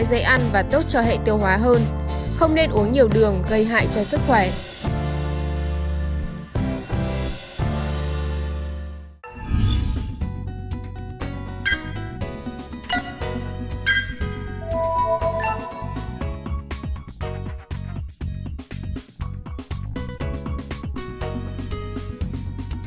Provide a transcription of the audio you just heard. dễ ăn và tốt cho hệ tiêu hóa hơn không nên uống nhiều đường gây hại cho sức khỏe ừ ừ ừ ừ ừ ừ